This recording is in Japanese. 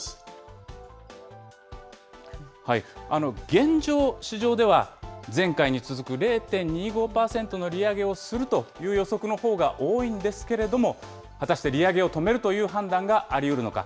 現状、市場では前回に続く０．２５％の利上げをするという予測のほうが多いんですけれども、果たして利上げを止めるという判断がありうるのか。